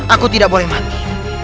aku tidak boleh mati